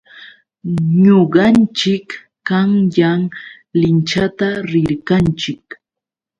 Ñuqanchik qanyan linchata rirqanchik.